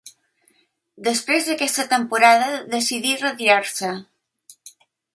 Després d'aquesta temporada decidí retirar-se.